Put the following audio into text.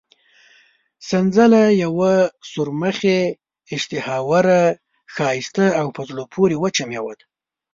سنځله یوه سورمخې، اشتها اوره، ښایسته او په زړه پورې وچه مېوه ده.